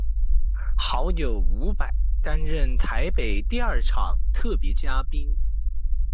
好友伍佰担任台北第二场特别嘉宾。